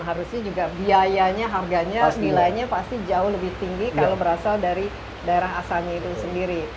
harusnya juga biayanya harganya nilainya pasti jauh lebih tinggi kalau berasal dari daerah asalnya itu sendiri